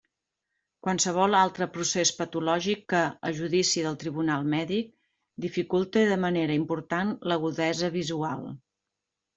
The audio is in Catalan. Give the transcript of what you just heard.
Qualsevol altre procés patològic que, a judici del tribunal mèdic, dificulte de manera important l'agudesa visual.